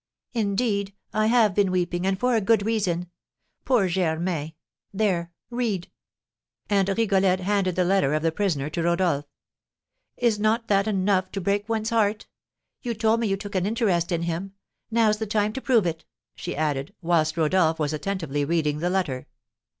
"Indeed, I have been weeping, and for a good reason. Poor Germain! There read!" And Rigolette handed the letter of the prisoner to Rodolph. "Is not that enough to break one's heart? You told me you took an interest in him, now's the time to prove it!" she added, whilst Rodolph was attentively reading the letter.